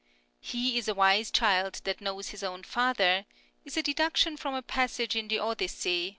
He is a wise child that knows his own father " is a deduction from a passage in the Odyssey (i.